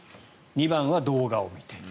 ２番は動画を見ている。